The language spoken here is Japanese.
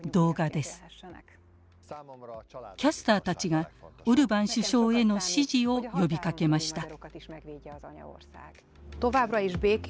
キャスターたちがオルバン首相への支持を呼びかけました。